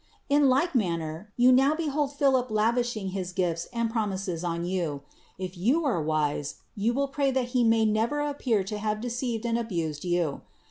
In like manner, you now behold Philip lavishing his gifts and promises on you. If you are wise, you will pray that he may never appear to have deceived and abused you.